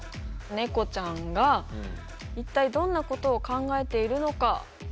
ネコちゃんが一体どんなことを考えているのか。